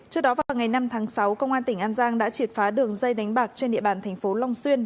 trước đó vào ngày năm tháng sáu công an tỉnh an giang đã triệt phá đường dây đánh bạc trên địa bàn thành phố long xuyên